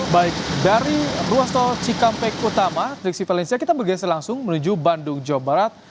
baik dari ruas tol cikampek utama triksi valencia kita bergeser langsung menuju bandung jawa barat